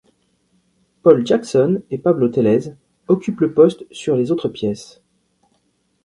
Paul Jackson et Pablo Tellez occupent le poste sur les autres pièces.